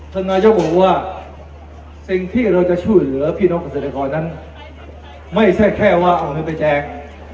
ท่านนายกบอกว่าสิ่งที่เราจะช่วยเหลือพี่น้องเกษตรกรนั้นไม่ใช่แค่ว่าเอาเงินไปแจง